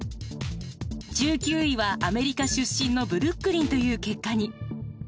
１９位はアメリカ出身のブルックリンという結果に。